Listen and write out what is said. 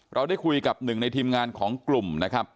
เราได้คุยกับหนึ่งในทีมงานของกลุ่มนะครับ